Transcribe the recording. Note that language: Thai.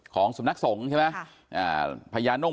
ของสำนักสงค์ใช่ไหม